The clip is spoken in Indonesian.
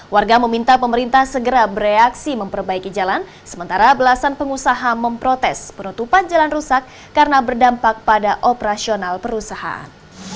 warga meminta pemerintah segera bereaksi memperbaiki jalan sementara belasan pengusaha memprotes penutupan jalan rusak karena berdampak pada operasional perusahaan